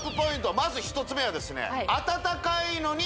まず１つ目はですね